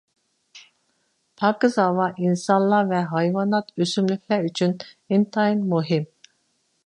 پاكىز ھاۋا ئىنسانلار ۋە ھايۋانات، ئۆسۈملۈكلەر ئۈچۈن ئىنتايىن مۇھىم.